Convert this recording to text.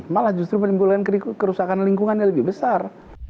malah justru menimbulkan kerusakan lingkungannya lebih besar